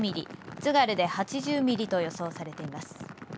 津軽で８０ミリと予想されています。